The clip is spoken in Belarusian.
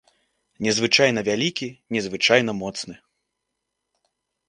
Незвычайна вялікі, незвычайна моцны.